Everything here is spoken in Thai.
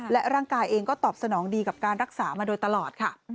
และร่างกายเองก็ตอบสนองดีกับการรักษามาโดยตลอดค่ะ